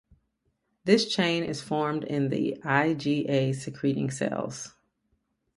This chain is formed in the IgA-secreting cells.